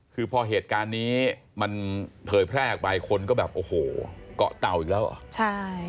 คือพอเหตุการณ์นี้มันเผยแพร่ออกไปคนก็แบบโอ้โหเกาะเต่าอีกแล้วเหรอใช่